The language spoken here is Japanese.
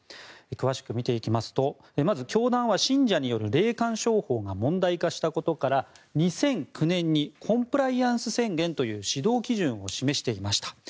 詳しく見ていきますとまず、教団は信者による霊感商法が問題化したことから２００９年にコンプライアンス宣言という指導基準を示していました。